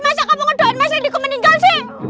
masa kamu ngedoain mas redyku meninggal sih